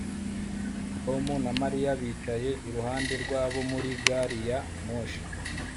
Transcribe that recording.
Tom na Mariya bicaye iruhande rwabo muri gari ya moshi